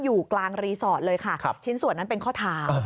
อยู่กลางรีสอร์ทเลยค่ะชิ้นส่วนนั้นเป็นข้อเท้า